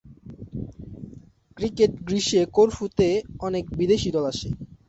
Cricket গ্রীষ্মে করফু-তে অনেক বিদেশি দল আসে।